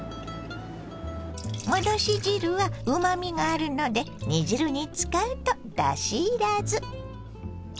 戻し汁はうまみがあるので煮汁に使うとだしいらず。